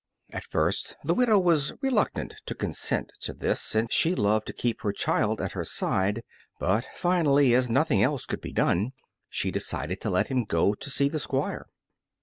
At first the widow was reluctant to consent to this, since she loved to keep her child at her side, but finally, as nothing else could be done, she decided to let him go to see the Squire.